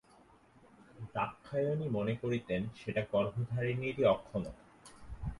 দাক্ষায়ণী মনে করিতেন সেটা গর্ভধারিণীরই অক্ষমতা।